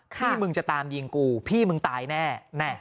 พี่มึงจะตามยิงกูพี่มึงตายแน่